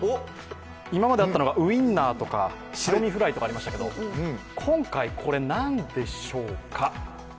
今まであったのがウインナーとか白身フライとかありましたけど、今回、これ何でしょうか？